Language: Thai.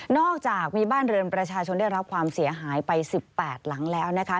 อกจากมีบ้านเรือนประชาชนได้รับความเสียหายไป๑๘หลังแล้วนะคะ